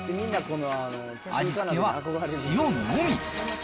味付けは塩のみ。